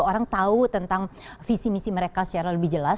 orang tahu tentang visi misi mereka secara lebih jelas